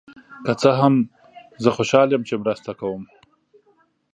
که څه هم، زه خوشحال یم چې مرسته کوم.